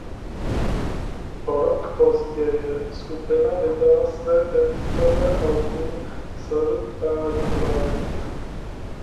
O rok později skupina vydala své debutové album "Third Eye Blind".